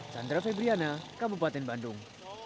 chandra febriana kabupaten bandung